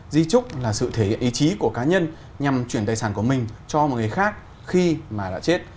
di trúc là sự thể hiện ý chí của cá nhân nhằm chuyển tài sản của mình cho một người khác khi mà đã chết